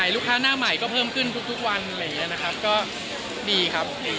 ลูกค้าหน้าใหม่ก็เพิ่มขึ้นทุกวันอะไรอย่างนี้นะครับก็ดีครับ